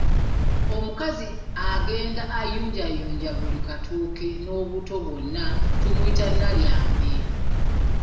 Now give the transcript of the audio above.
Omukazi agenda ngayunjayunja buli katooke n’obuto bwonna tumuyita Nalyambe.